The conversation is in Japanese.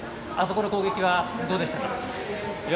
あそこの攻撃はどうでしたか。